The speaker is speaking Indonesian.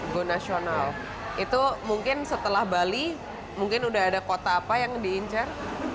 go nasional itu mungkin setelah bali mungkin udah ada kota apa yang diincar